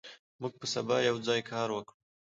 موږ به سبا یوځای کار وکړو.